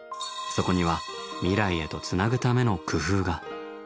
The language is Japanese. そこには未来へとつなぐための工夫が。